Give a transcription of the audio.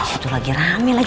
udah tuh lagi rame lagi